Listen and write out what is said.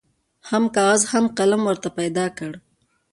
هم کاغذ هم یې قلم ورته پیدا کړ